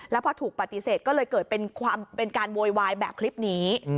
แล้วพอถูกปฏิเสธก็เลยเกิดเป็นการโวยวายแบบคลิปนี้